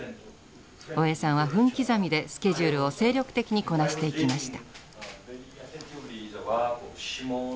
大江さんは分刻みでスケジュールを精力的にこなしていきました。